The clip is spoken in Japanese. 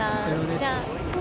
じゃあ。